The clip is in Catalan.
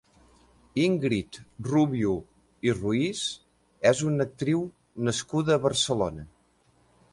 Íngrid Rubio i Ruiz és una actriu nascuda a Barcelona.